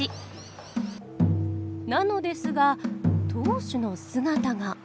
なのですが当主の姿が。